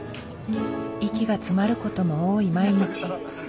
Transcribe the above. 息が詰まる事も多い毎日。